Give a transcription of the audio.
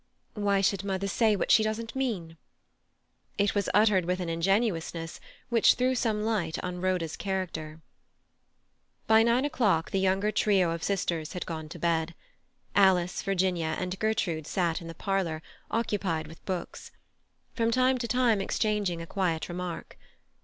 "Why should mother say what she doesn't mean?" It was uttered with an ingenuousness which threw some light on Rhoda's character. By nine o'clock the younger trio of sisters had gone to bed; Alice, Virginia, and Gertrude sat in the parlour, occupied with books, from time to time exchanging a quiet remark.